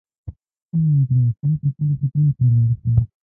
چيغه يې کړه! سل کسه له ټپيانو سره لاړ شئ.